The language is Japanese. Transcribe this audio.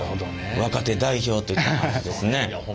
若手代表といった感じですね。